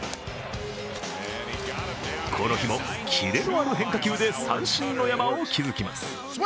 この日もキレのある変化球で三振の山を築きます。